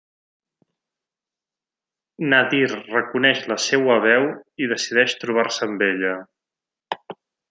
Nadir reconeix la seua veu i decideix trobar-se amb ella.